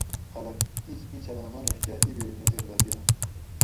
خلق اِینچھلاۤں مانوڛ کہ اِیبیٹ نظر دہ بِیراۤں